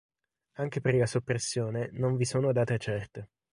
Anche per la soppressione non vi sono date certe.